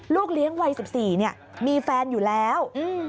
เลี้ยงวัย๑๔มีแฟนอยู่แล้ว